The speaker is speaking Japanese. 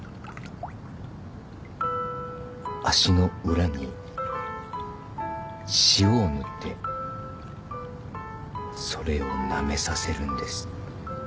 足の裏に塩を塗ってそれをなめさせるんです。